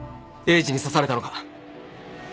エイジに刺されたのか？